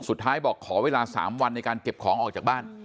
สุดท้ายบอกขอเวลา๓วันในการเก็บของออกจากบ้าน